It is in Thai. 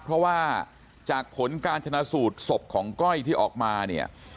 เพราะว่าจากผลการชนะสูตรศพของก้อยที่ออกมาเนี่ย